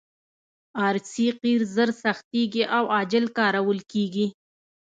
ار سي قیر ژر سختیږي او عاجل کارول کیږي